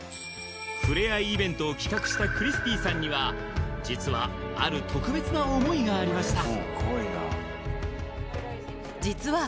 触れ合いイベントを企画したクリスティさんには実はある特別な思いがありました